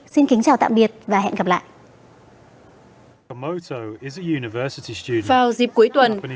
xin kính chào tạm biệt và hẹn gặp lại